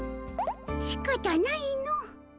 しかたないの。